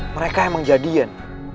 mereka emang jadian